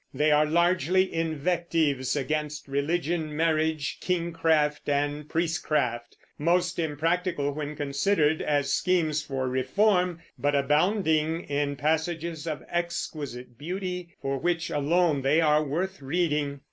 They are largely invectives against religion, marriage, kingcraft, and priestcraft, most impractical when considered as schemes for reform, but abounding in passages of exquisite beauty, for which alone they are worth reading.